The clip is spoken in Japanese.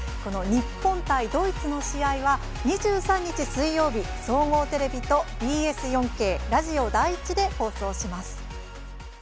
日本対ドイツの試合は２３日、水曜日総合テレビとＢＳ４Ｋラジオ第１で放送します。